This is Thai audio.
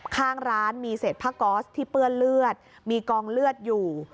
ข้างร้านมีเศษผ้าก๊อสที่เปื้อนเลือดมีกองเลือดอยู่